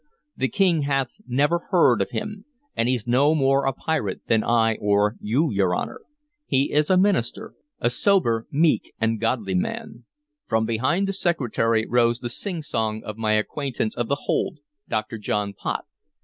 The King hath never heard of him. And he's no more a pirate than I or you, your Honor. He is a minister, a sober, meek, and godly man" From behind the Secretary rose the singsong of my acquaintance of the hold, Dr. John Pott.